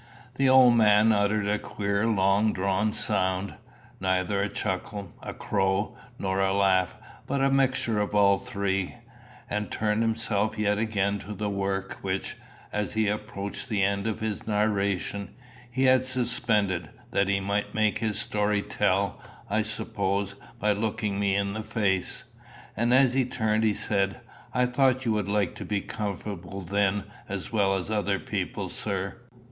The old man uttered a queer long drawn sound, neither a chuckle, a crow, nor a laugh, but a mixture of all three, and turned himself yet again to the work which, as he approached the end of his narration, he had suspended, that he might make his story tell, I suppose, by looking me in the face. And as he turned he said, "I thought you would like to be comfortable then as well as other people, sir."